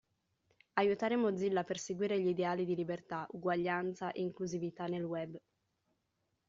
Aiutare Mozilla a perseguire gli ideali di libertà, uguaglianza e inclusività nel web.